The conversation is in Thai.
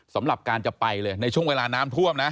สำหรับการจะไปเลยในช่วงเวลาน้ำท่วมนะ